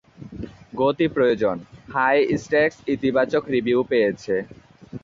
গতি প্রয়োজন: high stakes ইতিবাচক রিভিউ পেয়েছে।